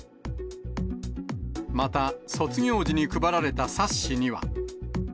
また、卒業時に配られた冊子には。